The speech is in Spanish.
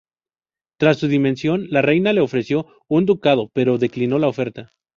Tras su dimisión, la reina le ofreció un ducado pero declinó la oferta.